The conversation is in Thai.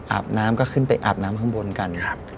อาบน้ำก็ขึ้นไปอาบน้ำข้างบนกันครับ